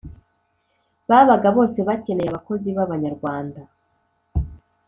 Babaga bose bakeneye abakozi b abanyarwanda